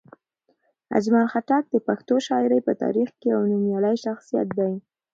اجمل خټک د پښتو شاعرۍ په تاریخ کې یو نومیالی شخصیت دی.